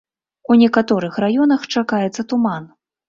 У некаторых раёнах чакаецца туман.